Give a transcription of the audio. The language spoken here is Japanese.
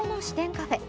カフェ。